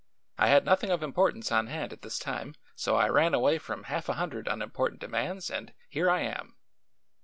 "I had nothing of importance on hand at this time, so I ran away from half a hundred unimportant demands and here I am."